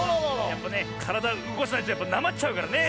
やっぱねからだうごかさないとなまっちゃうからね。